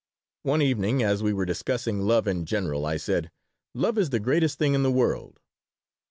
One evening, as we were discussing love in general, I said: "Love is the greatest thing in the world."